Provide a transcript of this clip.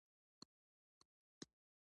نجلۍ بڼو کې دې سپیدې راوړي